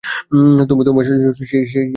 তোমার জুজুৎসু শিক্ষায় ফল পেয়েছিলে কি?